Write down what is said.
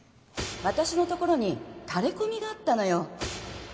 私のところにタレコミがあったのよ